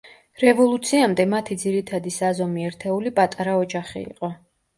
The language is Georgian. რევოლუციამდე მათი ძირითადი საზომი ერთეული პატარა ოჯახი იყო.